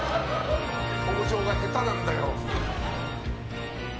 表情が下手なんだよ。